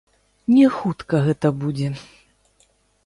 Не хутка гэта будзе.